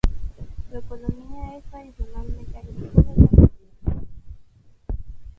Su economía es tradicionalmente agrícola y ganadera.